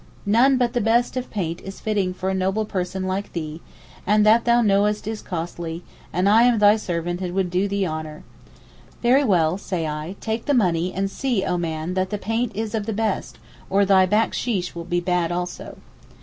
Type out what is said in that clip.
'None but the best of paint is fitting for a noble person like thee, and that thou knowest is costly, and I am thy servant and would do thee honour.' 'Very well,' say I, 'take the money, and see, oh man, that the paint is of the best, or thy backsheesh will be bad also.